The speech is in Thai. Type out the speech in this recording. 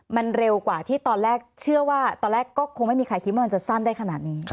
มันเร็วกว่าที่ตอนแรกเชื่อว่าตอนแรกก็คงไม่มีใครคิดว่ามันจะสั้นได้ขนาดนี้